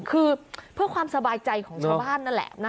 คือเพื่อความสบายใจของชาวบ้านนั่นแหละนะ